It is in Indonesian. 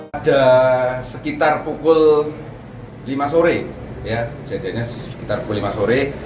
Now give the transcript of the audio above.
ada sekitar pukul lima sore kejadiannya sekitar pukul lima sore